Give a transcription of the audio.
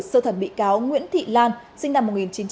sơ thẩn bị cáo nguyễn thị lan sinh năm một nghìn chín trăm sáu mươi ba